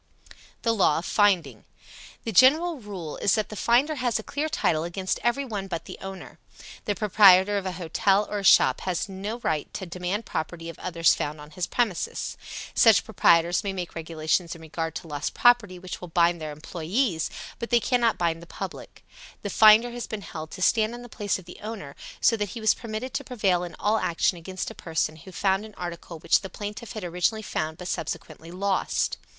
THE LAW OF FINDING. The general rule is that the finder has a clear title against every one but the owner. The proprietor of a hotel or a shop has no right to demand property of others found on his premises. Such proprietors may make regulations in regard to lost property which will bind their employes, but they cannot bind the public. The finder has been held to stand in the place of the owner, so that he was permitted to prevail in all action against a person who found an article which the plaintiff had originally found, but subsequently lost.